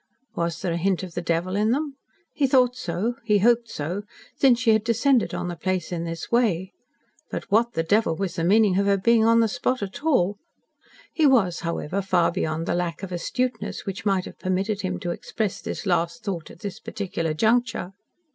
Was there a hint of the devil in them? He thought so he hoped so, since she had descended on the place in this way. But WHAT the devil was the meaning of her being on the spot at all? He was, however, far beyond the lack of astuteness which might have permitted him to express this last thought at this particular juncture.